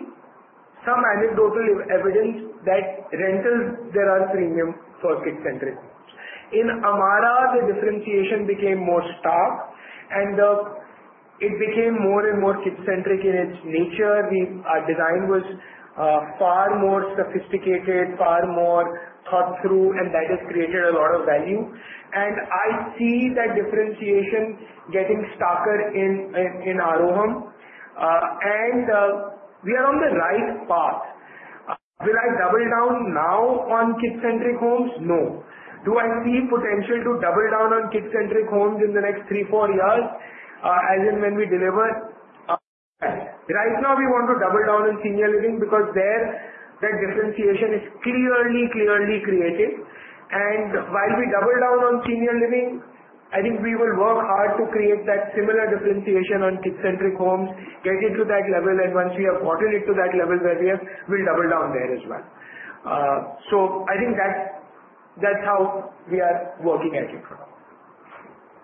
some anecdotal evidence that rentals, there are premium for kid-centric homes. In Ashiana Amarah, the differentiation became more stark, and it became more and more kid-centric in its nature. The design was far more sophisticated, far more thought through, and that has created a lot of value. I see that differentiation getting starker in Ashiana Aaroham. And we are on the right path. Will I double down now on kids-centric homes? No. Do I see potential to double down on kids-centric homes in the next three, four years as in when we deliver? Right now, we want to double down on senior living because there that differentiation is clearly, clearly created. And while we double down on senior living, I think we will work hard to create that similar differentiation on kids-centric homes, get it to that level. And once we have gotten it to that level where we have, we'll double down there as well. So I think that's how we are working at it for now.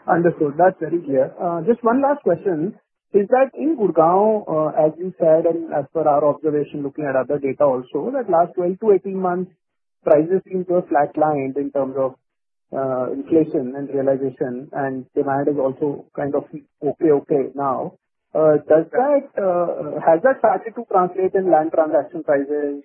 Understood. That's very clear. Just one last question. Is that in Gurgaon, as you said, and as per our observation looking at other data also, that last 12-18 months, prices seem to have flatlined in terms of inflation and realization, and demand is also kind of okay, okay now? Has that started to translate in land transaction prices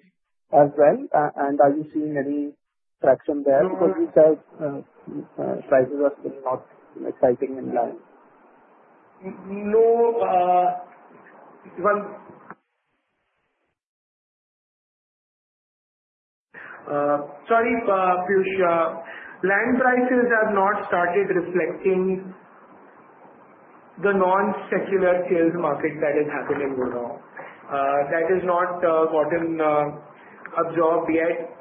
as well? And are you seeing any traction there? Because you said prices are still not exciting in land. No. Sorry, Piyush. Land prices have not started reflecting the non-secular sales market that is happening in Gurgaon. That has not gotten absorbed yet.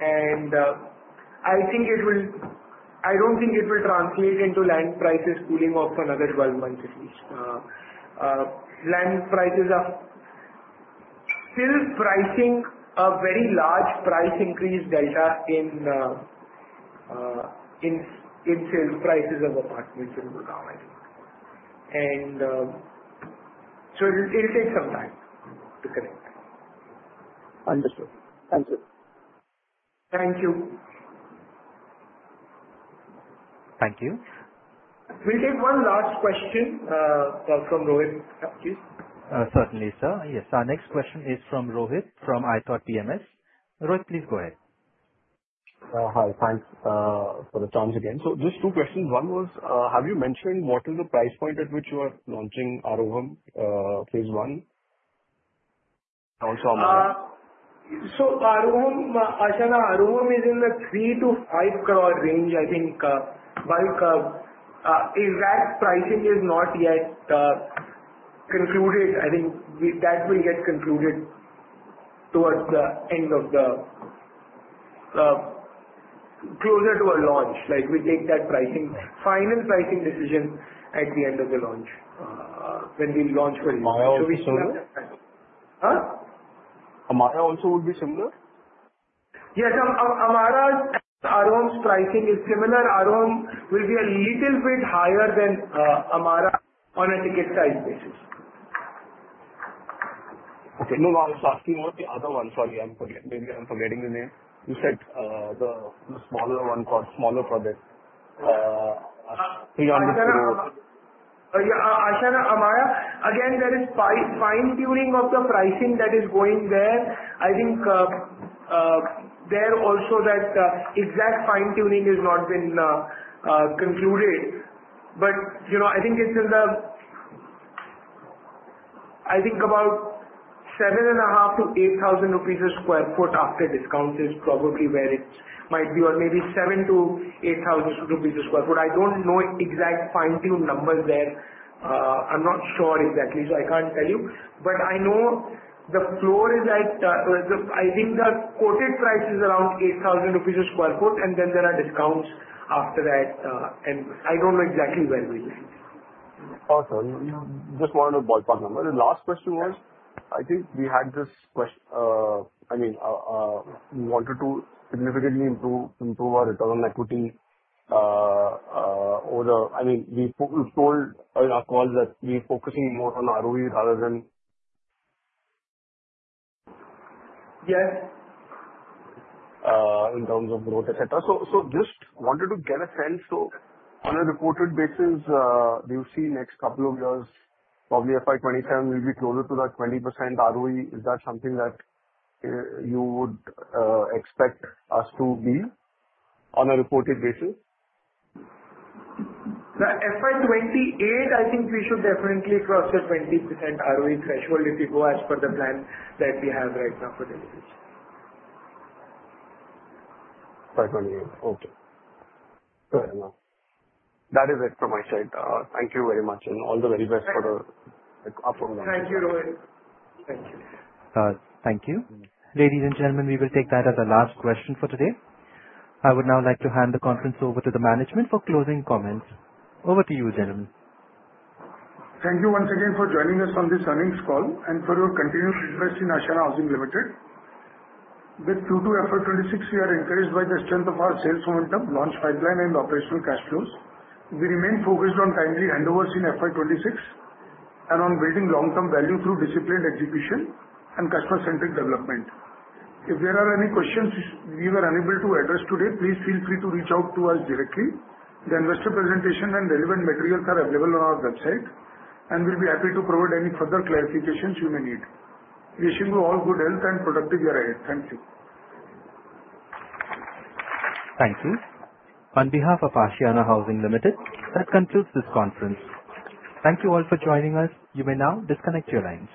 And I don't think it will translate into land prices cooling off for another 12 months at least. Land prices are still pricing a very large price increase delta in sales prices of apartments in Gurgaon, I think. And so it'll take some time to connect. Understood. Thank you. Thank you. Thank you. We'll take one last question from Rohit, please. Certainly, sir. Yes. Our next question is from Rohit from ithoughtPMS. Rohit, please go ahead. Hi. Thanks for the chance again. So just two questions. One was, have you mentioned what is the price point at which you are launching Aaroham phase I? And also Amarah. Ashiana Aaroham is in the 3-5 crore range, I think. But exact pricing is not yet concluded. I think that will get concluded towards the end, closer to a launch. We take that final pricing decision at the end of the launch when we launch for this year. Amarah also be similar? Huh? Amarah also would be similar? Yes. Amara's and Aaroham's pricing is similar. Aaroham will be a little bit higher than Amara on a ticket size basis. Okay. No, no. I was asking about the other one. Sorry. I'm forgetting the name. You said the smaller one for smaller projects. Ashiana Amarah. Again, there is fine-tuning of the pricing that is going there. I think there also that exact fine-tuning has not been concluded. But I think it's in the I think about 7,500-8,000 rupees per sq ft after discounts is probably where it might be, or maybe 7,000-8,000 rupees per sq ft. I don't know exact fine-tuned numbers there. I'm not sure exactly, so I can't tell you. But I know the floor is at I think the quoted price is around 8,000 rupees per sq ft, and then there are discounts after that. And I don't know exactly where we're doing this. Also, just one other ballpark number. The last question was, I think we had this question. I mean, we wanted to significantly improve our return on equity over the I mean, we told in our calls that we're focusing more on ROE rather than in terms of growth, etc. So just wanted to get a sense. So on a reported basis, do you see next couple of years, probably FY27, we'll be closer to that 20% ROE? Is that something that you would expect us to be on a reported basis? The FY28, I think we should definitely cross the 20% ROE threshold if we go as per the plan that we have right now for deliveries. 2028. Okay. That is it from my side. Thank you very much, and all the very best for the upcoming launches. Thank you, Rohit. Thank you. Thank you. Ladies and gentlemen, we will take that as a last question for today. I would now like to hand the conference over to the management for closing comments. Over to you, gentlemen. Thank you once again for joining us on this earnings call and for your continued interest in Ashiana Housing Limited. With outlook to FY26, we are encouraged by the strength of our sales momentum, launch pipeline, and operational cash flows. We remain focused on timely handovers in FY26 and on building long-term value through disciplined execution and customer-centric development. If there are any questions we were unable to address today, please feel free to reach out to us directly. The investor presentation and relevant materials are available on our website, and we'll be happy to provide any further clarifications you may need. Wishing you all good health and productive year ahead. Thank you. Thank you. On behalf of Ashiana Housing Limited, that concludes this conference. Thank you all for joining us. You may now disconnect your lines.